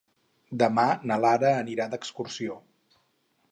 Demà na Lara anirà d'excursió.